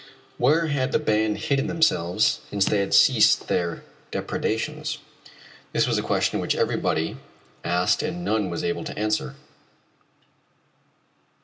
Where had the band hidden themselves since they had ceased their depredations? This was a question which everybody asked and none was able to answer.